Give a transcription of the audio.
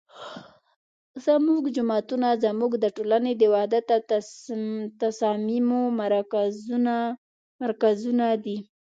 زمونږ جوماتونه زمونږ د ټولنې د وحدت او تصاميمو مرکزونه دي